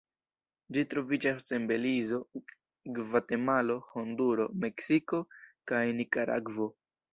Ĝi troviĝas en Belizo, Gvatemalo, Honduro, Meksiko kaj Nikaragvo.